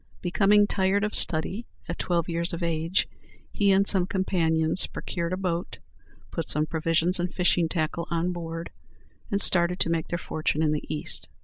Becoming tired of study, at twelve years of age, he and some companions procured a boat, put some provisions and fishing tackle on board, and started to make their fortune in the East.